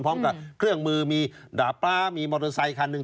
พร้อมกับเครื่องมือมีดาบป๊ามีมอเตอร์ไซคันหนึ่ง